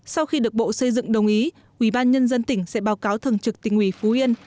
sau khi được bộ xây dựng đồng ý ủy ban nhân dân tỉnh sẽ báo cáo thường trực tỉnh ủy phú yên